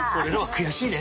悔しいね。